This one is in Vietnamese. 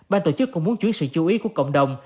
ban tổ chức cũng muốn chuyển sự chú ý của cộng đồng